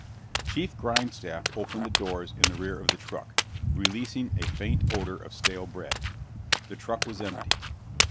Chief Grindstaff opened the doors in the rear of the truck, releasing a faint odor of stale bread. The truck was empty.